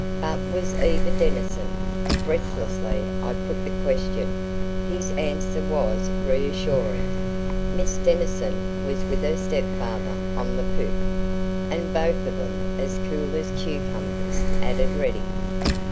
But was Eva Denison? Breathlessly I put the question; his answer was reassuring. Miss Denison was with her step father on the poop. "And both of 'em as cool as cucumbers," added Ready.